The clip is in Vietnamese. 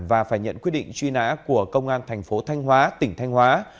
và phải nhận quyết định truy nã của công an tp thanh hóa tỉnh thanh hóa